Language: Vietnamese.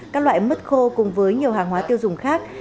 các loại mứt khô cùng với nhiều hàng hóa tiêu dùng khác